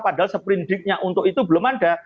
padahal sprint dig nya untuk itu belum ada